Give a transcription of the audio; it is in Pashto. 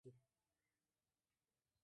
تش ځایونه دې په مناسبو کلمو په پنسل ډک کړي.